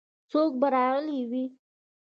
څوک به راغلي وي.